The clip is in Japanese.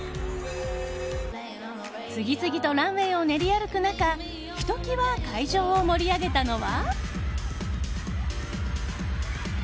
次々とランウェーを練り歩く中ひときわ会場を盛り上げたのは。